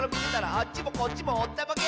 「あっちもこっちもおったまげ！」